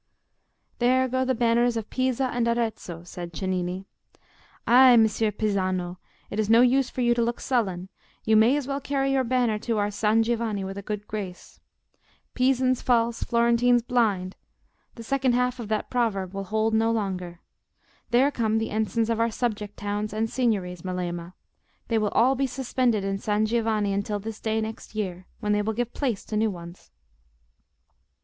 "There go the banners of Pisa and Arezzo," said Cennini. "Ay, Messer Pisano, it is no use for you to look sullen; you may as well carry your banner to our San Giovanni with a good grace. 'Pisans false, Florentines blind'—the second half of that proverb will hold no longer. There come the ensigns of our subject towns and signories, Melema; they will all be suspended in San Giovanni until this day next year, when they will give place to new ones."